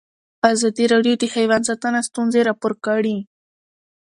ازادي راډیو د حیوان ساتنه ستونزې راپور کړي.